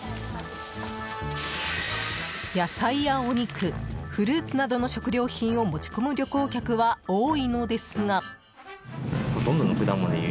野菜やお肉、フルーツなどの食料品を持ち込む旅行客は多いのですが。